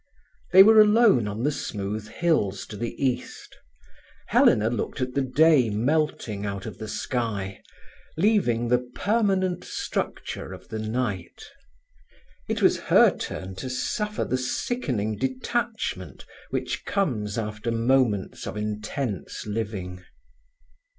They were alone on the smooth hills to the east. Helena looked at the day melting out of the sky, leaving the permanent structure of the night. It was her turn to suffer the sickening detachment which comes after moments of intense living.